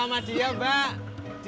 bapak sudah tau jadi